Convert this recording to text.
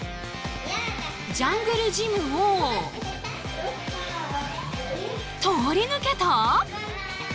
ジャングルジムを通り抜けた！？